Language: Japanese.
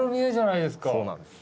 そうなんです。